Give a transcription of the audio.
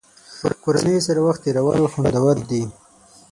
کورنۍ سره وخت تېرول خوندور دي.